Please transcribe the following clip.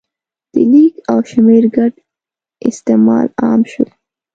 د لیک او شمېر ګډ استعمال عام شو.